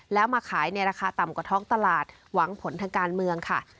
แล้วมาขายในราคาต่ำกว่าท้องตลาดหวังผลทางการเมืองค่ะ